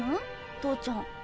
投ちゃん。